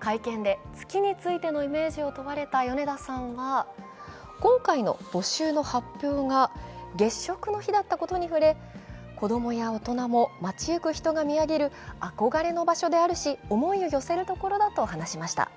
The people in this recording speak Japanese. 会見で月についてのイメージを問われた米田さんは、今回の募集の発表が月食の日だったことに触れ子供や大人も、街行く人が見上げる憧れの場所であるし、思いを寄せるところだと話しました。